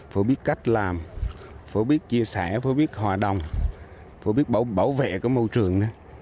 phố biết cách làm phố biết chia sẻ phố biết hòa đồng phố biết bảo vệ cái môi trường